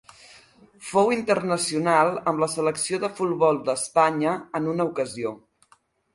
Fou internacional amb la selecció de futbol d'Espanya en una ocasió.